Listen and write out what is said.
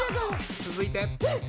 続いて。